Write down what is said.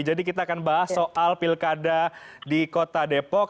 jadi kita akan bahas soal pilkada di kota depok